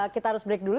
kita harus break dulu